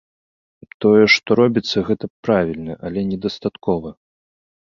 Тое, што робіцца, гэта правільна, але недастаткова.